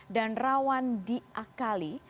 dan rawan diakali